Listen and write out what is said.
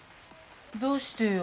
どうしてよ。